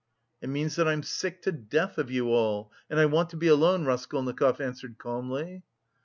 "It means that I'm sick to death of you all and I want to be alone," Raskolnikov answered calmly.